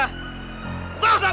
tuh sabar dengan uangmu